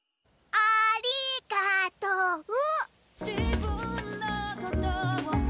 ありがとオ。